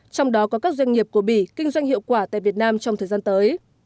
trong đó có các doanh nghiệp của bỉ kinh doanh hiệu quả tại việt nam trong thời gian tới